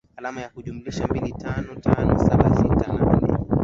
alama ya kujumlisha mbili tano tano saba sita nne